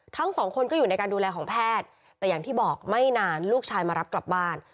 ทั้งสองคนก็อยู่ในการดูแลของแพทย์แต่อย่างที่บอกไม่นานลูกชายมารับกลับบ้าน